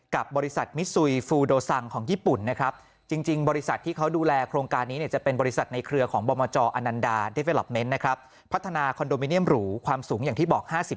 กับบริษัทมิสุยฟูโดซังของญี่ปุ่นนะครับ